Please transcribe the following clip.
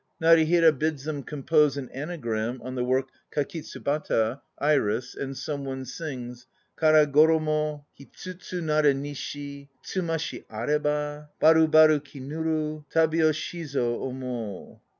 Narihira bids them compose an anagram on the work Kakitsubata, "iris," and some one sings: "ara goromo i tsutsu nare ni shi Tsuma shi areba #oru baru ki nuru 7"abi wo shi zo omou."